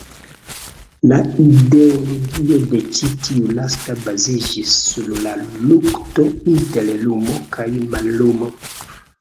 La ideologio de ĉi tiu lasta baziĝis sur la lukto inter lumo kaj mallumo.